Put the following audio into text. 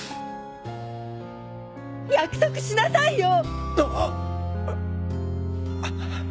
約束しなさいよ！